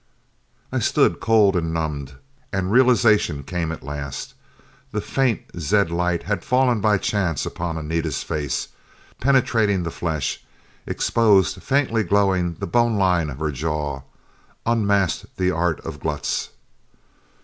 I stood cold and numbed. And realization came at last. The faint zed light had fallen by chance upon Anita's face. Penetrating the flesh; exposed, faintly glowing, the bone line of her jaw. Unmasked the art of Glutz.